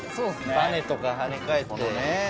バネとかはね返ってね。